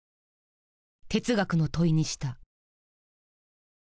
哲学の問いにした。